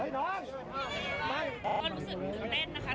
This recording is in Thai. ก็รู้สึกดื่มเต้นนะคะ